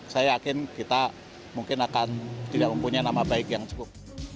saya yakin kita mungkin akan tidak mempunyai nama baik yang cukup